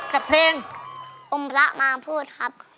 กับเพลงอมระมาพูดครับ